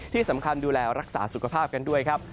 ที่สำคัญดูแลรักษาสุขภาพกันด้วยครับ